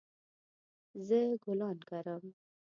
زه ګلان کرم